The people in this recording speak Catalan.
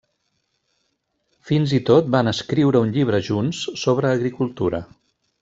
Fins i tot van escriure un llibre junts, sobre agricultura.